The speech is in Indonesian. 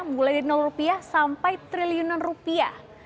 mulai dari rupiah sampai triliunan rupiah